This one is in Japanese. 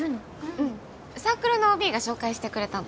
うんサークルのＯＢが紹介してくれたの